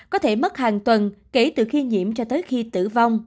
có thể mất hàng tuần kể từ khi nhiễm cho tới khi tử vong